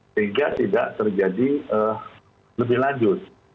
sehingga tidak terjadi lebih lanjut